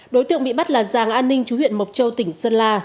đối tượng bị bắt là giàng an ninh chú huyện mộc châu tỉnh sơn la